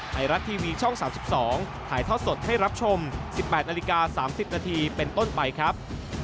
ไทยรัฐทีวีช่อง๓๒ถ่ายทอดสดให้รับชม๑๘นาฬิกา๓๐นาทีเป็นต้นไปครับ